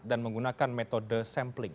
dan menggunakan metode sampling